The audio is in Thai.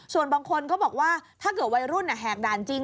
ส่วนบางคนก็บอกว่าถ้าเกิดวัยรุ่นแหกด่านจริง